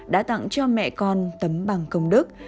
đã tặng cho mẹ con tấm bằng công đức